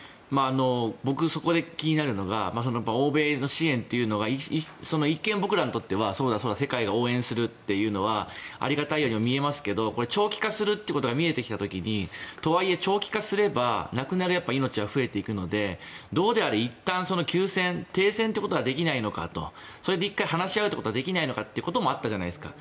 僕そこで気になるのが欧米の支援が一見僕らにとってはそうだ、世界が応援するというのはありがたいように見えますが長期化するということが見えてきた時にとはいえ長期化すれば亡くなる命は増えていくのでどうであれ、いったん休戦、停戦はできないのかとそれで１回話し合うことはできないのかということもあったじゃないですか。